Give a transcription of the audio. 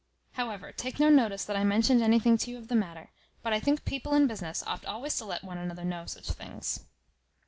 However, take no notice that I mentioned anything to you of the matter; but I think people in business oft always to let one another know such things."